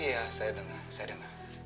iya saya denger